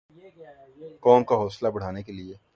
قوم کا حوصلہ بڑھانے کیلئے